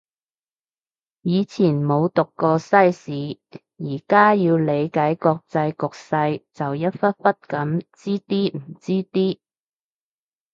以前冇讀過西史，而家要理解國際局勢就一忽忽噉知啲唔知啲